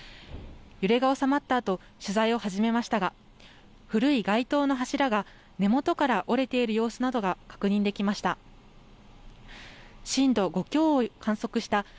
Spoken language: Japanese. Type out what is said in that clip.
揺れが収まったあと取材を始めましたが、古い街灯の柱が根元から折れている様子などが確認できました。